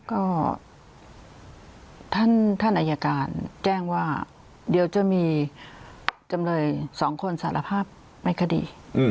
ก็ท่านอายการแจ้งว่าเดี๋ยวจะมีจำเลย๒คนสารภาพในคดี